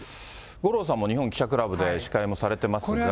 五郎さんも日本記者クラブで司会もされてますが。